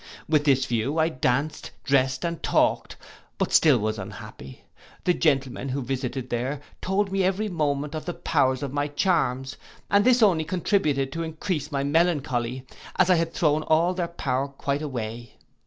With this view, I danced, dressed, and talked; but still was unhappy. The gentlemen who visited there told me every moment of the power of my charms, and this only contributed to encrease my melancholy, as I had thrown all their power quite away.